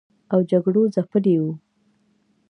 او جګړو ځپلي و